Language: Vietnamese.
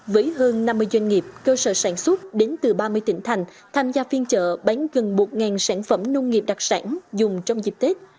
với hơn năm mươi doanh nghiệp cơ sở sản xuất đến từ ba mươi tỉnh thành tham gia phiên chợ bán gần một sản phẩm nông nghiệp đặc sản dùng trong dịp tết